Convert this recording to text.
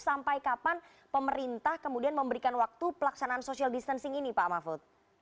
sampai kapan pemerintah kemudian memberikan waktu pelaksanaan social distancing ini pak mahfud